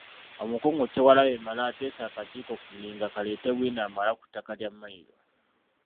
Omukungu Kyewalabye Male ateese akakiiko ku nninga kaleete bwino amala ku ttaka lya Mmayiro.